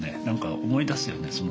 何か思い出すよね